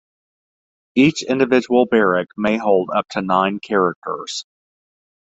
Each individual barrack may hold up to nine characters.